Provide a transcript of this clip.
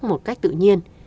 một cách tự nhiên